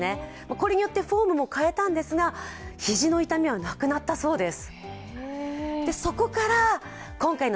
これによってフォームも変えたんですが、肘の痛みはなくなったそうです。